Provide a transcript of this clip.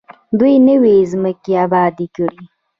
دوی نوې ځمکې ابادې کړې.